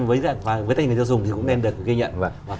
với tên người dân dùng thì cũng nên được ghi nhận